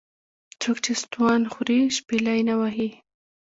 ـ څوک چې ستوان خوري شپېلۍ نه وهي .